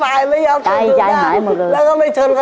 แล้ววันแล้วก็เบค